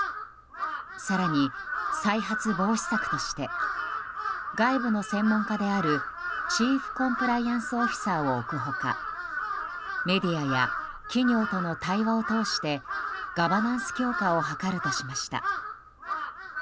更に、再発防止策として外部の専門家であるチーフコンプライアンスオフィサーを置く他メディアや企業との対話を通してガバナンス強化を図るとしました。